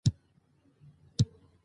دښتې د چاپیریال ساتنې لپاره مهمې دي.